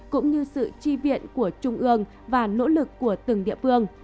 cũng như sự chi viện của trung ương và nỗ lực của từng địa phương